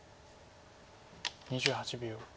２８秒。